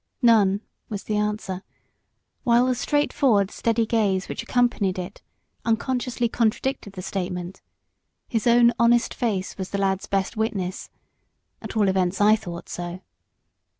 "None," was the answer, while the straightforward, steady gaze which accompanied it unconsciously contradicted the statement; his own honest face was the lad's best witness at all events I thought so.